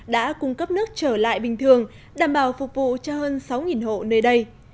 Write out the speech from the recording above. đã cung cấp nước trở lại bình thường đảm bảo phục vụ cho hơn sáu hộ nơi đây